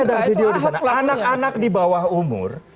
anak anak di bawah umur